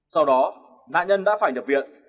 sau đó nạn nhân đã phải nhập viện